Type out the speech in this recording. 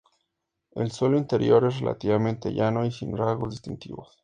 El suelo interior es relativamente llano y sin rasgos distintivos.